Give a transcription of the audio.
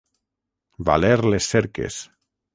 Valer les cerques.